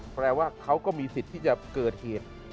แปลว่าเขาก็มีสิทธิ์ที่จะเกิดเหตุ